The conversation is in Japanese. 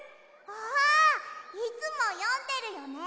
ああいつもよんでるよね。